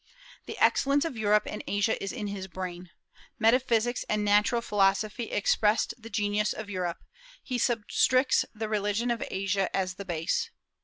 The excellence of Europe and Asia is in his brain. Metaphysics and natural philosophy expressed the genius of Europe; he substricts the religion of Asia as the base.